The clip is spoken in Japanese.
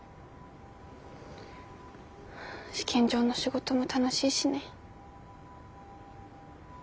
試験場の仕事も楽しいしね。